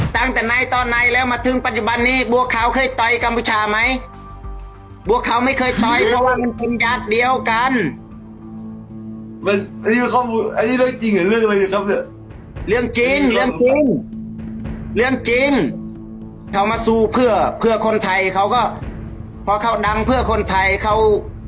เขามาสู้เพื่อเพื่อคนไทยเขาก็พอเขาดังเพื่อคนไทยเขา